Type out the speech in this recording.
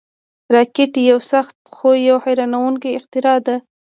راکټ یو سخت، خو حیرانوونکی اختراع ده